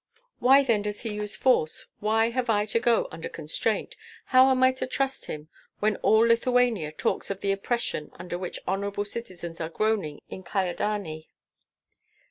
"Why then does he use force, why have I to go under constraint? How am I to trust him, when all Lithuania talks of the oppression under which honorable citizens are groaning in Kyedani?"